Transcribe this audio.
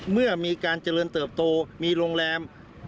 เมื่อมีการเจริญเติบโตมีโรงแรม